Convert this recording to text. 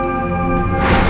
tuan tuan tuan tuan